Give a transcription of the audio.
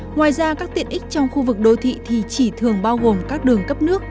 ngoài ra các tiện ích trong khu vực đô thị thì chỉ thường bao gồm các đường cấp nước